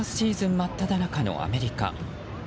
真っただ中のアメリカ。